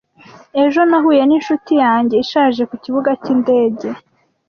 Ejo nahuye ninshuti yanjye ishaje kukibuga cyindege.